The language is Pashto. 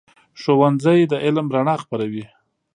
ښوونځی د علم رڼا خپروي.